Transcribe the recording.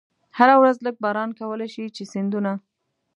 هره ورځ لږ باران کولای شي چې سیندونه.